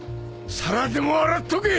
皿でも洗っとけ！